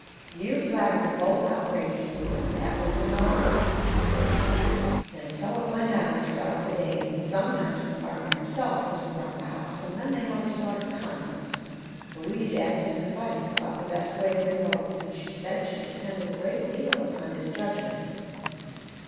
You flattered them both outrageously; but that will do no harm." And so it went on throughout the day. Sometimes the farmer himself was around the house, and then they held a sort of conference; Louise asked his advice about the best way to win votes, and said she depended a great deal upon his judgment.